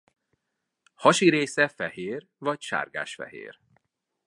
Hasi része fehér vagy sárgásfehér.